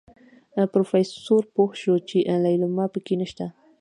پروفيسر پوه شو چې ليلما پکې نشته.